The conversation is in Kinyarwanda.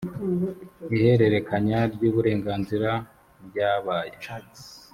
ihererekanya ry‘uburenganzira ryabaye